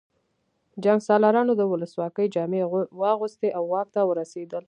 جنګسالارانو د ولسواکۍ جامې واغوستې او واک ته ورسېدل